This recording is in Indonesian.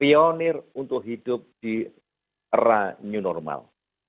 pionir untuk hidup di era new normal